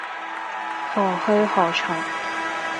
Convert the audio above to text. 何去何從